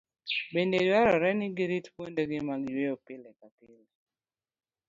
Bende dwarore ni girit kuondegi mag yweyo pile ka pile.